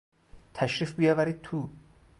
تشریف بیاورید تو.